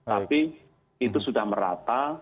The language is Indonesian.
tapi itu sudah merata